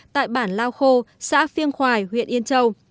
tại bản lao khô xã phiêng khoài huyện yên châu